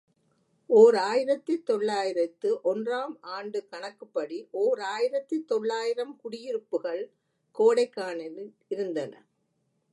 ஓர் ஆயிரத்து தொள்ளாயிரத்து ஒன்று ஆம் ஆண்டுக் கணக்குப்படி ஓர் ஆயிரத்து தொள்ளாயிரம் குடியிருப்புகள் கோடைக்கானலில் இருந்தன.